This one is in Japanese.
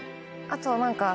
あと何か。